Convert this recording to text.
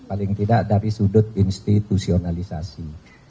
paling tidak dari sudut institusionalisasi